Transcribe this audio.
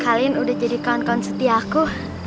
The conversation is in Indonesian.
halin udah jadi kawan kawan setia aku